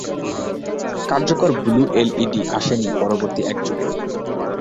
কার্যকর blue LED আসেনি পরবর্তী এক যুগেও।